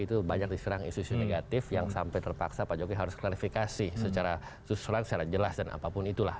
itu banyak diserang isu isu negatif yang sampai terpaksa pak jokowi harus klarifikasi secara susulan secara jelas dan apapun itulah